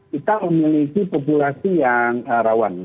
kita memiliki populasi yang rawan